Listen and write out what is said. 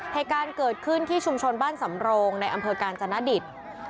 เหตุการณ์เกิดขึ้นที่ชุมชนบ้านสำโรงในอำเภอกาญจนดิต